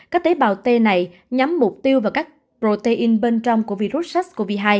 các tế bào t này nhắm mục tiêu vào các protein bên trong của virus sars cov hai